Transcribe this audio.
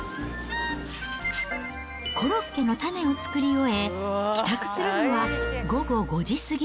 コロッケの種を作り終え、帰宅するのは午後５時過ぎ。